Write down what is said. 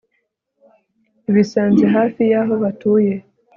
ibasanze hafi yaho batuye